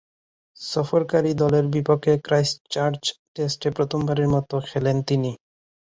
সফরকারী দলের বিপক্ষে ক্রাইস্টচার্চ টেস্টে প্রথমবারের মতো খেলেন তিনি।